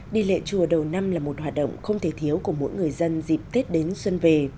đi lễ chùa đầu năm là một hoạt động không thể thiếu của mỗi người dân dịp tết đến xuân về